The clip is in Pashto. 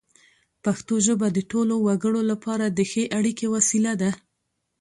پښتو ژبه د ټولو وګړو لپاره د ښې اړیکې وسیله ده.